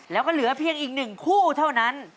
แล้วก็เหลือเพียงอีก๑คู่เท่านั้น